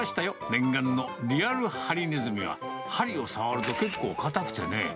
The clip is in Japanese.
念願のリアルハリネズミは、針を触ると結構硬くてね。